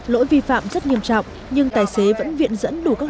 lỗi vi phạm rất nghiêm trọng nhưng tài xế vẫn viện dẫn đủ các lý xét